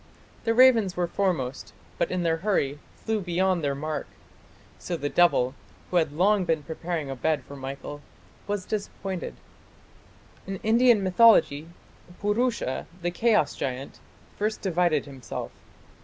The ravens were foremost, but in their hurry flew beyond their mark. So the devil, who had long been preparing a bed for Michael, was disappointed." In Indian mythology Purusha, the chaos giant, first divided himself.